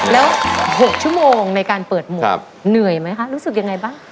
แล้ว๖ชั่วโมงในการเปิดหมวกเหนื่อยไหมคะรู้สึกยังไงบ้าง